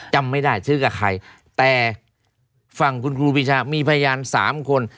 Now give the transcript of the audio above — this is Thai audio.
จำไม่ได้ซื้อกับใครแต่ฝั่งคุณครูปีชามีพยานสามคน